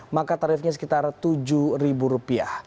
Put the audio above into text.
maka tarifnya sekitar rp tujuh